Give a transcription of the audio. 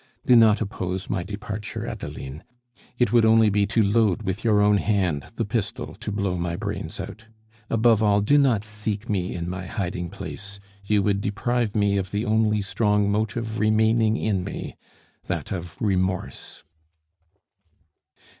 Do not oppose my departure Adeline. It would only be to load with your own hand the pistol to blow my brains out. Above all, do not seek me in my hiding place; you would deprive me of the only strong motive remaining in me, that of remorse."